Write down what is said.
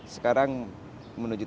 sekarang menuju tiga belas sembilan